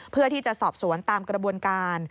เพื่อที่จะสอบสวนตามกระบวนการ